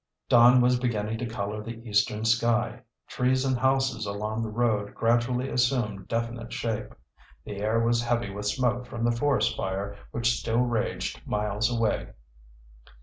Dawn was beginning to color the eastern sky. Trees and houses along the road gradually assumed definite shape. The air was heavy with smoke from the forest fire which still raged miles away.